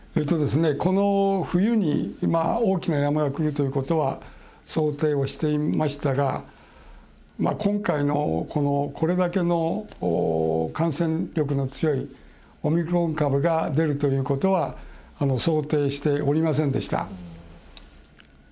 この冬に大きな山がくるということは想定をしていましたが今回の、これだけの感染力の強いオミクロン株が出るということは想定しておりませんでした。